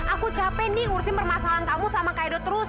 aku capek ndi urusin permasalahan kamu sama kaido terus